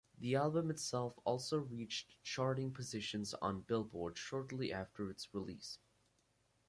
The album itself also reached charting positions on "Billboard" shortly after its release.